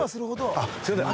あっすいません